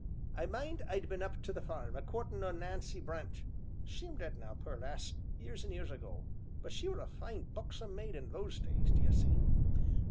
I mind I'd been up to th' farm a courtin' o' Nancy Brent she 'm dead now, poor lass, years an' years ago, but she were a fine, buxom maid in those days, d'ye see.